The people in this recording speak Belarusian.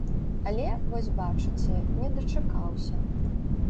Але, вось бачыце, не дачакаўся.